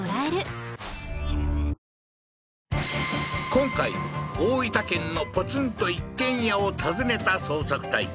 今回大分県のポツンと一軒家を訪ねた捜索隊